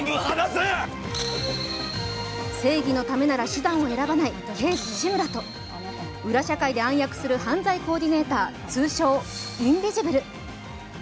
正義のためなら手段を選ばない刑事・志村と、裏社会で暗躍する犯罪コーディネーター、通称・インビジブル。